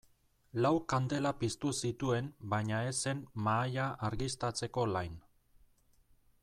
Lau kandela piztu zituen baina ez zen mahaia argiztatzeko lain.